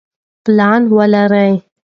پلان ولرئ.